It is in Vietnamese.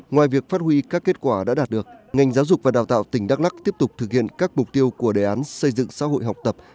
ngoài việc phát huy các kết quả đã đạt được ngành giáo dục và đào tạo tỉnh đắk lắc tiếp tục thực hiện các mục tiêu của đề án xây dựng xã hội học tập